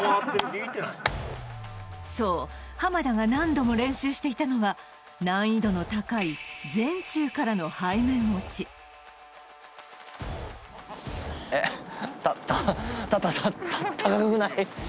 そう田が何度も練習していたのは難易度の高い前宙からの背面落ちえっ？